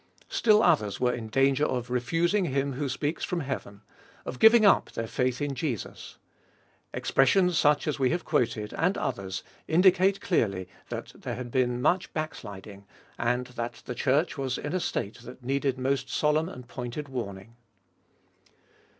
Still others were in danger of " refusing Him who speaks from heaven," of giving up their faith in Jesus. Expressions such as we have quoted, and others, indicate clearly that there had been much back sliding, and that the Church was in a state that needed most solemn and pointed warning.